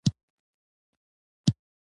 مایوسي یې له ستومانه څیرې څاڅي